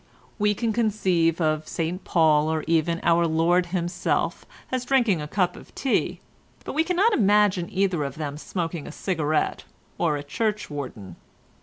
We can conceive of St Paul or even our Lord Himself as drinking a cup of tea, but we cannot imagine either of them as smoking a cigarette or a churchwarden.